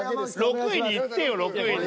６位に行ってよ６位に。